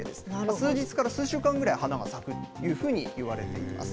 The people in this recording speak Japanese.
数日から数週間ぐらい花が咲くというふうにいわれています。